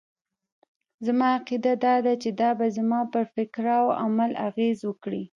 زما عقيده دا ده چې دا به زما پر فکراو عمل اغېز وکړي.